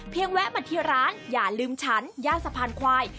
แวะมาที่ร้านอย่าลืมฉันย่านสะพานควาย